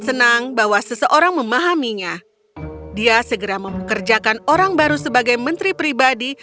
senang bahwa seseorang memahaminya dia segera mempekerjakan orang baru sebagai menteri pribadi